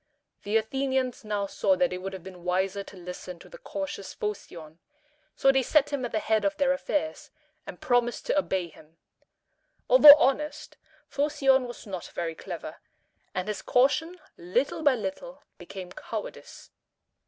The Athenians now saw that it would have been wiser to listen to the cautious Phocion: so they set him at the head of their affairs, and promised to obey him. Although honest, Phocion was not very clever, and his caution little by little became cowardice.